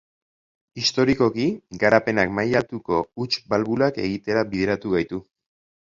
Historikoki, garapenak maila altuko huts-balbulak egitera bideratu gaitu.